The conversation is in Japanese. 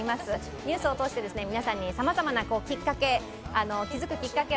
ニュースを通して皆さんにさまざまな、気付くきっかけ